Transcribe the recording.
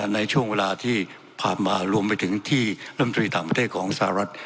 ในช่วงเวลาที่ผ่านมารวมไปถึงที่ลำตรีต่างประเทศของสหรัฐ